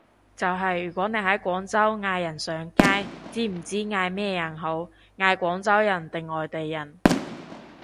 就係如果你想喺廣州嗌人上街，唔知嗌咩人好，嗌廣州人定外地人？